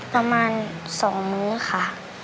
ประมาณ๒มื้อค่ะ